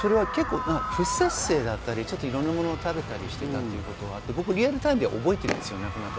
不摂生だったり、いろんなものを食べたりしていたというところがあって、僕、リアルタイムで覚えています。